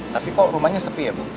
tapi kok rumahnya sepi ya bu